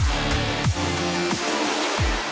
thank you banyak bang